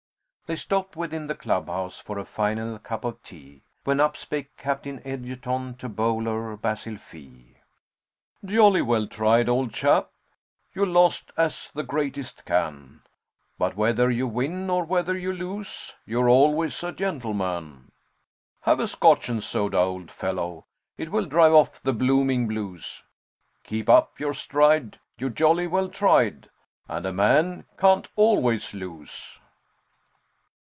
They stopped within the clubhouse for a final cup of tea, When up spake Captain Edgerton to Bowler Basil Fee: "Jolly well tried, old chap! You lost as the greatest can; But whether you win or whether you lose You're always a gentleman. Have a Scotch and soda, old fellow It will drive off the blooming blues; Keep up your stride, you jolly well tried, And a man can't always lose."